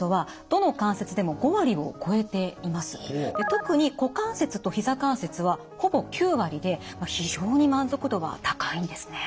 特に股関節とひざ関節はほぼ９割で非常に満足度は高いんですね。